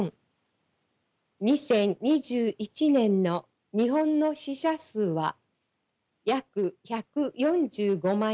２０２１年の日本の死者数は約１４５万人。